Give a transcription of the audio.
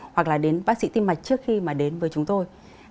hoặc là đến bác sĩ tim mạch trước khi mà đến với chúng tôi